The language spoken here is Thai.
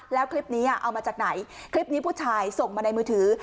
แล้วคลิปนี้เอามาจากไหนคลิปนี้ผู้ชายส่งมาในมือถือ